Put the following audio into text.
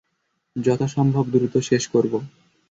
যথাসম্ভব দ্রুত শেষ করব।